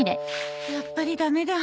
やっぱりダメだ。